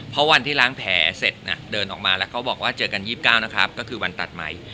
เพราะวันที่ล้างแผลเสร็จเดินออกมาแล้วเขาบอกว่าเจอกัน๒๙นะครับก็คือวันตัดใหม่